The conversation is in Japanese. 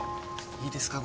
いいですか？